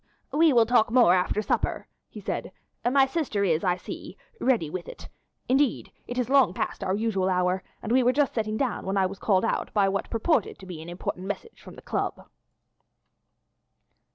"We will talk more after supper," he said. "My sister is, I see, ready with it. Indeed it is long past our usual hour, and we were just sitting down when I was called out by what purported to be an important message from the Club."